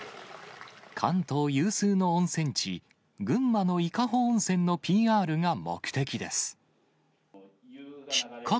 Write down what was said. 関東有数の温泉地、群馬の伊香保温泉のＰＲが目的です。